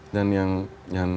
dan yang ke